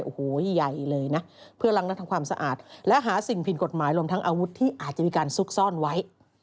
โอ้โหใหญ่เลยนะเพื่อล้างและทำความสะอาดและหาสิ่งผิดกฎหมายรวมทั้งอาวุธที่อาจจะมีการซุกซ่อนไว้